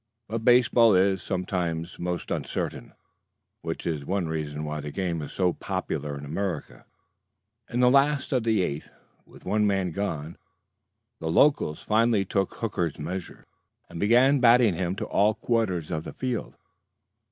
But baseball is sometimes most uncertain, which is one reason why the game is so popular in America. In the last of the eighth, with one man gone, the locals finally took Hooker's measure and began batting him to all quarters of the field.